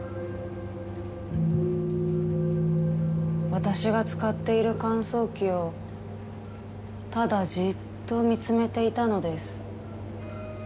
私が使っている乾燥機をただじっと見つめていたのです。